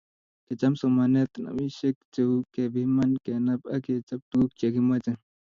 kecham somanetab nobishet cheu; kepiman, kenap ak kechap tuguk chegimache